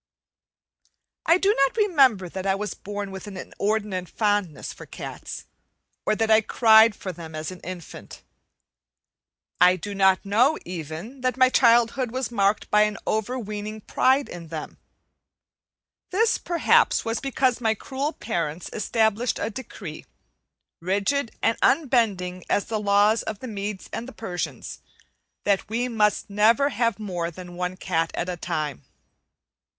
I do not remember that I was born with an inordinate fondness for cats; or that I cried for them as an infant. I do not know, even, that my childhood was marked by an overweening pride in them; this, perhaps, was because my cruel parents established a decree, rigid and unbending as the laws of the Medes and Persians, that we must never have more than one cat at a time.